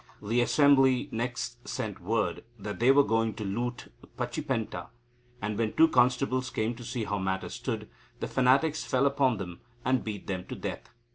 The assembly next sent word that they were going to loot Pachipenta, and, when two constables came to see how matters stood, the fanatics fell upon them, and beat them to death.